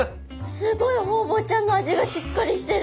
すごいホウボウちゃんの味がしっかりしてる。